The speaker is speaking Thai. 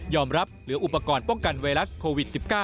รับเหลืออุปกรณ์ป้องกันไวรัสโควิด๑๙